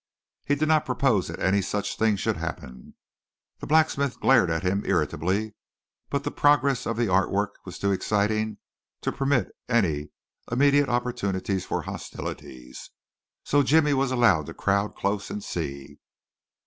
He did not propose that any such thing should happen. The blacksmith glared at him irritably but the progress of the art work was too exciting to permit of any immediate opportunities for hostilities, so Jimmy was allowed to crowd close and see.